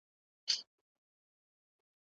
نه مې د غنمو دانه.